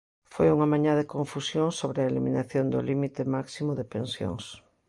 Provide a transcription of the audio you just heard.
Foi unha mañá de confusión sobre a eliminación do límite máximo de pensións.